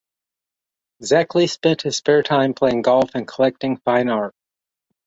Zekley spent his spare time playing golf and collecting fine art.